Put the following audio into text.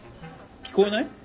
聞こえない？